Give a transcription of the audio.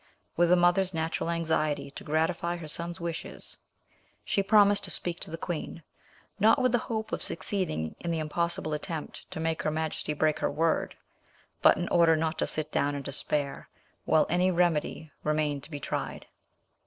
With a mother's natural anxiety to gratify her son's wishes, she promised to speak to the queen, not with the hope of succeeding in the impossible attempt to make her majesty break her word, but in order not to sit down in despair, while any remedy remained to be tried.